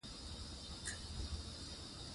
زه د نفس کنټرول مهم ګڼم.